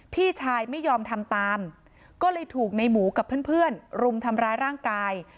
พี่ชายไม่ยอมทำตามก็เลยถูกในหมูกับเพื่อนรุมทำร้ายร่างกาย